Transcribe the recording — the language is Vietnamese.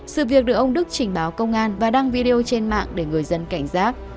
sự việc được ông đức trình báo công an và đăng video trên mạng để người dân cảnh giác